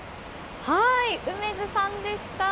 梅津さんでした。